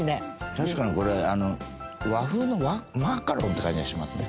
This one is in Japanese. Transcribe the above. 確かにこれ和風のマカロンって感じがしますね。